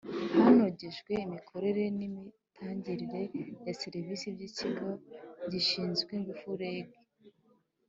hanogejwe imikorere nimitangire ya serivisi by ikigo gishinzwe ingufu reg